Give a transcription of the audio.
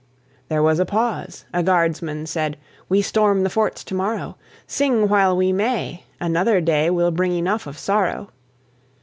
There was a pause. A guardsman said, "We storm the forts to morrow; Sing while we may, another day Will bring enough of sorrow."